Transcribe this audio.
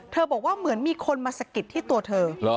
บอกว่าเหมือนมีคนมาสะกิดที่ตัวเธอ